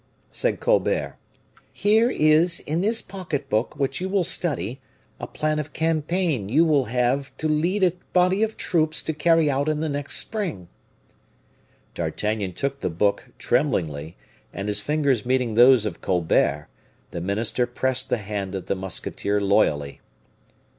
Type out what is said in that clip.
said Colbert, "here is in this pocket book which you will study, a plan of campaign you will have to lead a body of troops to carry out in the next spring." D'Artagnan took the book, tremblingly, and his fingers meeting those of Colbert, the minister pressed the hand of the musketeer loyally.